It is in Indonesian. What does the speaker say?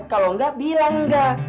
kalau enggak bilang enggak